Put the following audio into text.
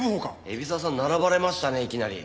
海老沢さん並ばれましたねいきなり。